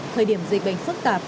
thời điểm dịch bệnh phức tạp